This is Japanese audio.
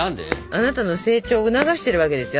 あなたの成長を促してるわけですよ。